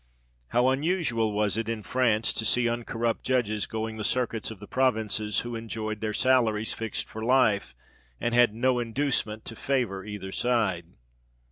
How unusual was it in France, to see uncorrupt judges going the circuits of the provinces, who enjoyed their salaries fixed for life, and had no inducement to favour either side